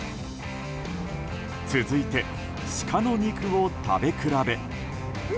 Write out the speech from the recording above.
続いて、シカの肉を食べ比べ。